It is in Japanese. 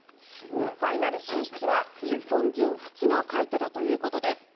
ファイナル進出は日本人初の快挙だということです。